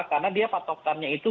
karena dia patokannya itu